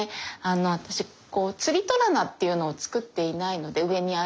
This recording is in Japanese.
私つり戸棚っていうのを作っていないので上にある。